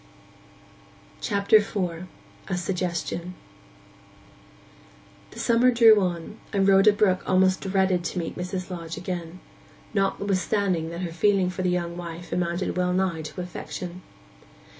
CHAPTER IV—A SUGGESTION The summer drew on, and Rhoda Brook almost dreaded to meet Mrs. Lodge again, notwithstanding that her feeling for the young wife amounted well nigh to affection.